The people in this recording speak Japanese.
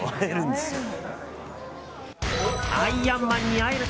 アイアンマンに会える。